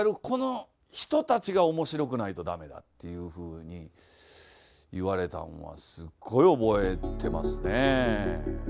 この人たちが面白くないと駄目だというふうに言われたんはすっごい覚えてますね。